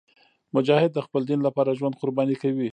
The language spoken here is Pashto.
مجاهد د خپل دین لپاره ژوند قرباني کوي.